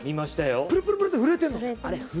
プルプルって震えてるの。